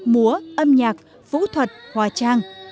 múa âm nhạc vũ thuật hòa trang